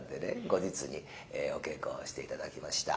後日にお稽古をして頂きました。